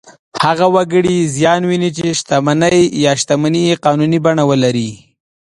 هغه وګړي زیان ویني چې شتمنۍ یې قانوني بڼه ولري.